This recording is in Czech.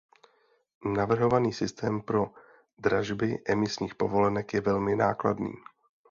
Navrhovaný systém pro dražby emisních povolenek je velmi nákladný.